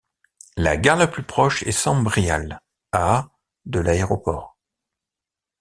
La gare la plus proche est Sambrial, à de l'aéroport.